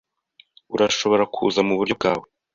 Urashobora kuza muburyo bwawe.